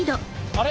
あれ？